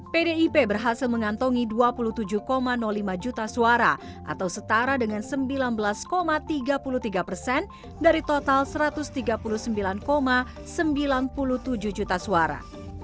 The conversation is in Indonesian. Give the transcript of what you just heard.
pdip berhasil mengantongi dua puluh tujuh lima juta suara atau setara dengan sembilan belas tiga puluh tiga persen dari total satu ratus tiga puluh sembilan sembilan puluh tujuh juta suara